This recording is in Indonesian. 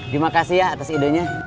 terima kasih ya atas idenya